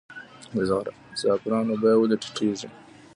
د زعفرانو بیه ولې ټیټیږي؟